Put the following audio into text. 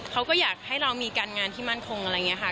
เขาก็อยากให้เรามีการงานที่มั่นคงอะไรอย่างนี้ค่ะ